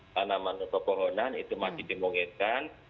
tanaman pepohonan itu masih dimungkinkan